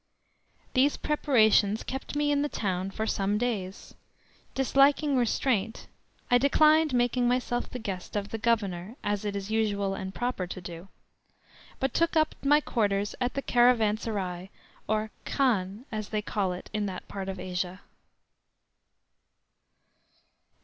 These preparations kept me in the town for some days. Disliking restraint, I declined making myself the guest of the Governor (as it is usual and proper to do), but took up my quarters at the caravanserai, or "khan," as they call it in that part of Asia.